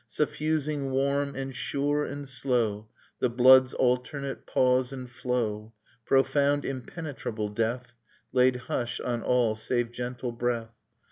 Suffusing warm and sure and slow The blood's alternate pause and flow; Profound impenetrable death Laid hush on all save gentle breath